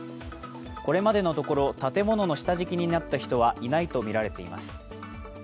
これまでのところ、建物の下敷きになった人はいないとみられています。